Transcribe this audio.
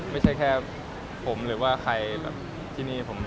ไม่ใช่แค่ผมหรือว่าใครทุกคนในโลก